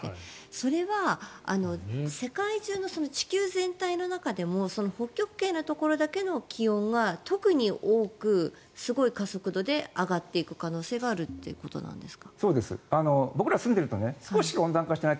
それは世界中の地球全体の中でも北極圏のところだけの気温が特に多くすごい加速度で上がっていく可能性があるということですか。